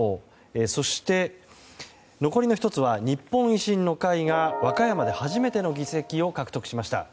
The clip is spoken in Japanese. そして、残りの１つは日本維新の会が和歌山で初めての議席を獲得しました。